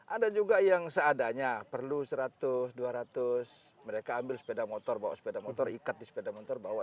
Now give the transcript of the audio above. ada juga yang seadanya perlu seratus dua ratus mereka ambil sepeda motor bawa sepeda motor ikat di sepeda motor bawa